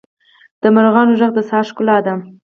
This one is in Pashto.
د مرغانو ږغ د سهار ښکلا ده.